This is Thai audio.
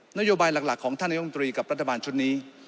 นโยบายหลักของท่านนายมตรีกับรัฐบาลชุดนี้